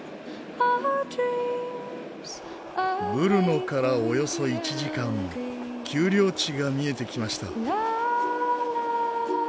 ブルノからおよそ１時間丘陵地が見えてきました。